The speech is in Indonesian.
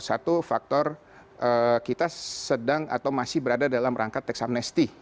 satu faktor kita sedang atau masih berada dalam rangka teks amnesty